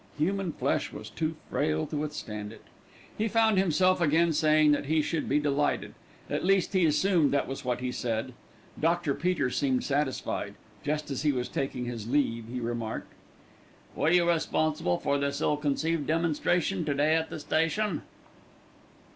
Human flesh was too frail to withstand it! He found himself again saying that he should be delighted; at least, he assumed that was what he said. Dr. Peter seemed satisfied. Just as he was taking his leave he remarked: "Were you responsible for this ill conceived demonstration to day at the station?"